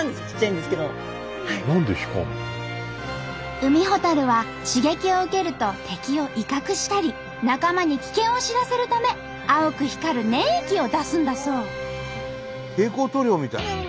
ウミホタルは刺激を受けると敵を威嚇したり仲間に危険を知らせるため青く光る粘液を出すんだそう。